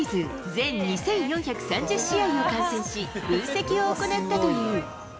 全２４３０試合を観戦し、分析を行ったという。